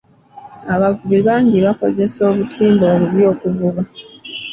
Abavubi bangi bakozesa obutimba obubi okuvuba.